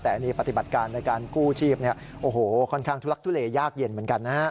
แต่ปฏิบัติการในการกู้ชีพค่อนข้างทุลักทุเลยากเย็นเหมือนกันนะครับ